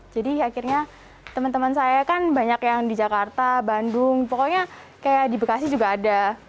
jadi akhirnya teman teman saya kan banyak yang di jakarta bandung pokoknya kayak di bekasi juga ada